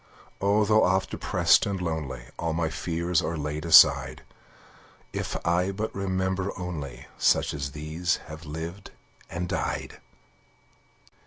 Oh, though oft depressed and lonely, All my fears are laid aside, If I but remember only Such as these have lived and died!